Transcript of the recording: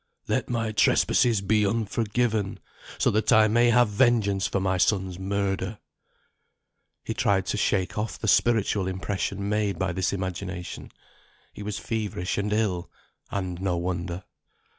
"Let my trespasses be unforgiven, so that I may have vengeance for my son's murder." He tried to shake off the spiritual impression made by this imagination. He was feverish and ill, and no wonder.